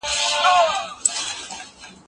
چې ماتول یې ګران دي.